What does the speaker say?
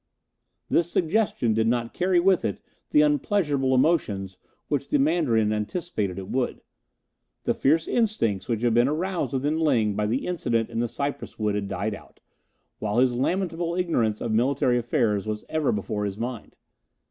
This suggestion did not carry with it the unpleasurable emotions which the Mandarin anticipated it would. The fierce instincts which had been aroused within Ling by the incident in the cypress wood had died out, while his lamentable ignorance of military affairs was ever before his mind.